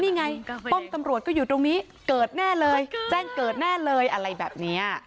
นี่ไงป้อมตำรวจก็อยู่ตรงนี้เกิดแน่เลยแจ้งเกิดแน่เลยอะไรแบบนี้